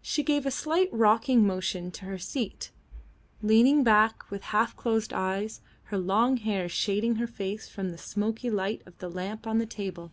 She gave a slight rocking motion to her seat, leaning back with half closed eyes, her long hair shading her face from the smoky light of the lamp on the table.